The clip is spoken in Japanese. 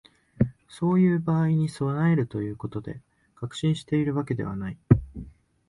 そういう場合に備えるということで、確信しているわけではない